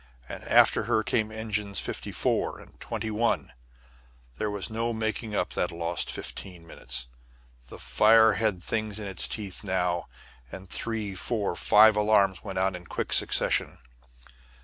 And after her came Engines 54 and 21. But there was no making up that lost fifteen minutes. The fire had things in its teeth now, and three, four, five alarms went out in quick succession.